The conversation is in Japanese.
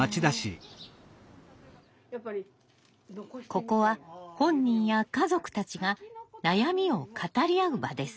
ここは本人や家族たちが悩みを語り合う場です。